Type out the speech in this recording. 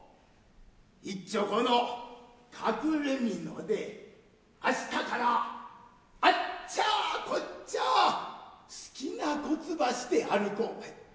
いっちょこの隠れ蓑であしたからあっちャこっちャ好きな事ばして歩こうばい。